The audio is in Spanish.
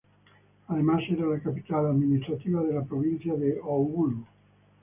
Además, era la capital administrativa de la Provincia de Oulu.